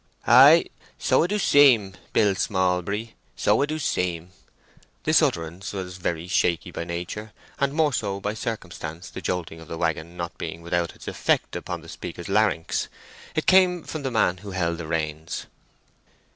"Ay—so 'a do seem, Billy Smallbury—so 'a do seem." This utterance was very shaky by nature, and more so by circumstance, the jolting of the waggon not being without its effect upon the speaker's larynx. It came from the man who held the reins.